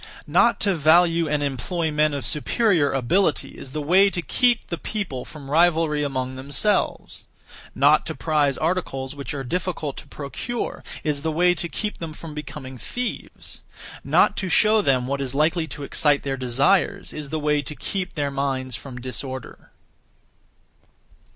Not to value and employ men of superior ability is the way to keep the people from rivalry among themselves; not to prize articles which are difficult to procure is the way to keep them from becoming thieves; not to show them what is likely to excite their desires is the way to keep their minds from disorder.